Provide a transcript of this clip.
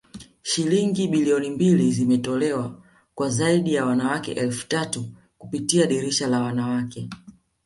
Shilingi bilioni mbili zimetolewa kwa zaidi ya wanawake elfu tatu kupitia dirisha la wanawake